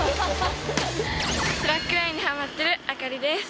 スラックラインにハマってるあかりです。